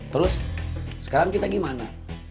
terus sekarang kita gimana